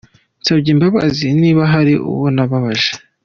Nsabye imbabazi niba hari uwo nababaje.